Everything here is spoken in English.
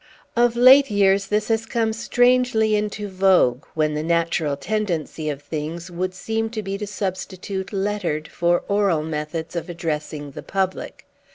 Of late years this has come strangely into vogue, when the natural tendency of things would seem to be to substitute lettered for oral methods of addressing the public.